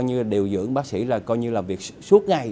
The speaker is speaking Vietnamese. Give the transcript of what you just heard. nhân viên điều dưỡng bác sĩ là việc suốt ngày